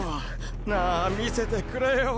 なぁ見せてくれよ。